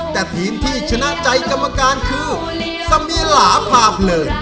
แต่ทีมที่ชนะใจกรรมการคือสมิลาพาเพลิน